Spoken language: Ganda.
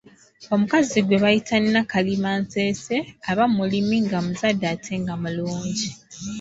Omukazi gwe bayita Nakalima nseese aba mulimi, nga muzadde ate nga mulungi